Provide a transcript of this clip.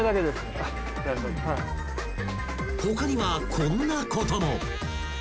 ［他にはこんなことも］